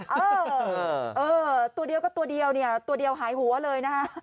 เออตัวเดียวก็ตัวเดียวเนี่ยตัวเดียวหายหัวเลยนะฮะ